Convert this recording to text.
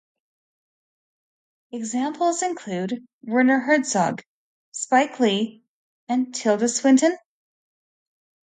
Examples include Werner Herzog, Spike Lee, and Tilda Swinton.